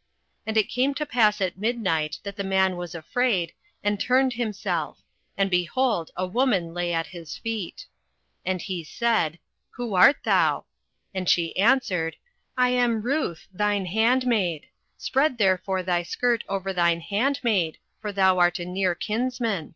08:003:008 And it came to pass at midnight, that the man was afraid, and turned himself: and, behold, a woman lay at his feet. 08:003:009 And he said, Who art thou? And she answered, I am Ruth thine handmaid: spread therefore thy skirt over thine handmaid; for thou art a near kinsman.